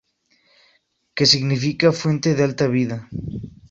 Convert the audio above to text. Que significa fuente de alta vida.